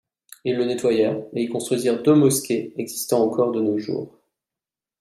Ils le nettoyèrent et y construisirent deux mosquées existant encore de nos jours.